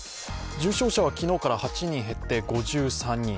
重症者は昨日から８人減って５３人。